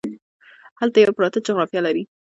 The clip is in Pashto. هلمند یو پراته جغرافيه لري